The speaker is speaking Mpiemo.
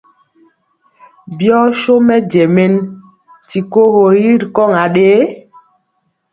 Byɔ so mɛjɛ men ti kogo ri kɔŋ aɗee?